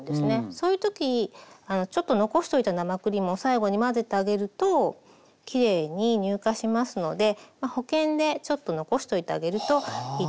そういう時ちょっと残しておいた生クリームを最後に混ぜてあげるときれいに乳化しますので保険でちょっと残しておいてあげるといいと思います。